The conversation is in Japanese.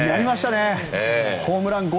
ホームラン５６。